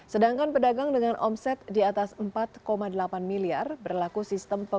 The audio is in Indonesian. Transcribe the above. sedangkan pedagang dengan omset di atas empat delapan miliar berlaku sistem pemerintahan